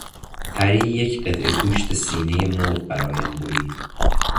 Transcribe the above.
پری یک قطعه گوشت سینهی مرغ برایم برید.